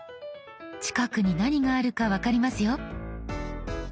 近くに何があるか分かりますよ。